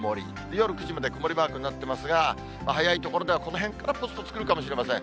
夜９時まで曇りマークになってますが、早い所では、このへんからぽつぽつ来るかもしれません。